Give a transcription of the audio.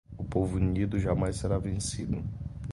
O povo unido, jamais será vencido.